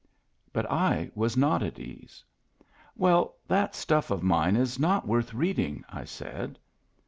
But I was not at ease. "Well, that stuff of mine is not worth reading 1 " I said.